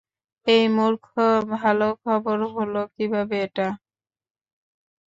এই মূর্খ, ভালো খবর হলো কিভাবে এটা?